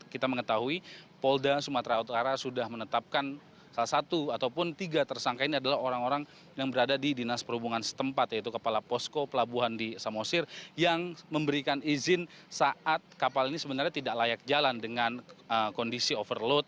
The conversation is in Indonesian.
kita mengetahui polda sumatera utara sudah menetapkan salah satu ataupun tiga tersangka ini adalah orang orang yang berada di dinas perhubungan setempat yaitu kepala posko pelabuhan di samosir yang memberikan izin saat kapal ini sebenarnya tidak layak jalan dengan kondisi overload